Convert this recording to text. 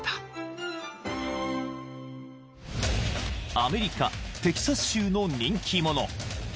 ［アメリカテキサス州の人気者］